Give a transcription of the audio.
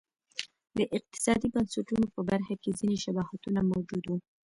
د اقتصادي بنسټونو په برخه کې ځیني شباهتونه موجود و.